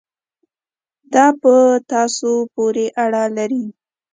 دا په تاسو پورې اړه لري.